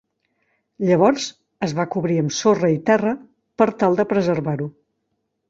Llavors es va cobrir amb sorra i terra per tal de preservar-ho.